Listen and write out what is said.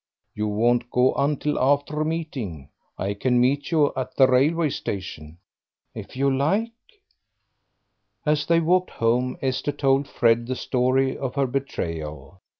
"You won't go until after meeting; I can meet you at the railway station." "If you like." As they walked home Esther told Fred the story of her betrayal.